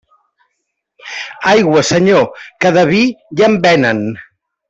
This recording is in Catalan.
Aigua, Senyor, que de vi ja en venen.